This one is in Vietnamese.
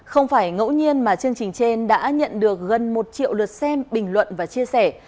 không phải ngẫu nhiên mà chương trình trên đã nhận được gần một triệu lượt xem bình luận và chia sẻ